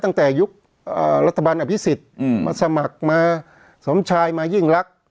ตั้งแต่ยุครัฐบาลอภิษฎมาสมัครมาสมชายมายิ่งรัก